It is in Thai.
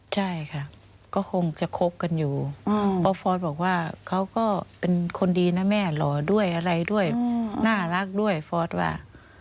ใช่ค่ะก็คงจะคบกันอยู่เพราะฟอร์สบอกว่าเขาก็เป็นคนดีนะแม่หล่อด้วยอะไรด้วยน่ารักด้วยฟอร์สว่า